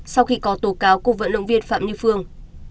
sau khi có tổ cáo cục vận động viên phạm như phương